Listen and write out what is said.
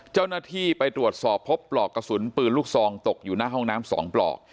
เจ้าหน้าที่ไปตรวจสอบพบปลอกกระสุนปืนลูกซองตกอยู่หน้าห้องน้ำ๒ปลอก